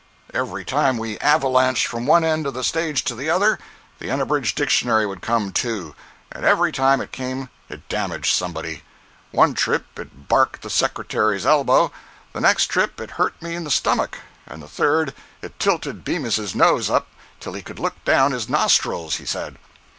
Every time we avalanched from one end of the stage to the other, the Unabridged Dictionary would come too; and every time it came it damaged somebody. One trip it "barked" the Secretary's elbow; the next trip it hurt me in the stomach, and the third it tilted Bemis's nose up till he could look down his nostrils—he said.